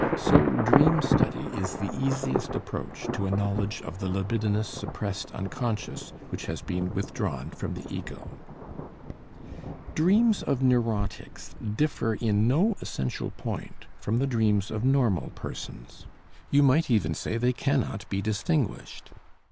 So dream study is the easiest approach to a knowledge of the libidinous suppressed unconscious which has been withdrawn from the ego. Dreams of neurotics differ in no essential point from the dreams of normal persons; you might even say they cannot be distinguished.